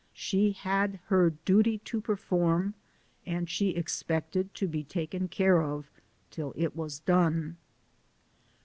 She had her duty to perform, and she expected to be taken care of till it was done.